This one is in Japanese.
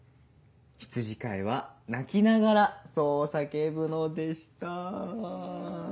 羊飼いは泣きながらそう叫ぶのでした」。